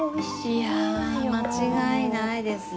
いやあ間違いないですね。